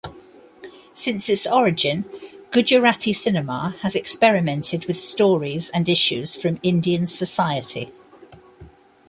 Since its origin Gujarati cinema has experimented with stories and issues from Indian society.